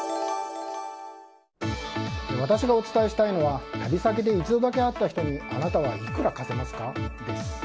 私がお伝えしたいのは旅先で一度だけ会った人にあなたはいくら貸せますか？です。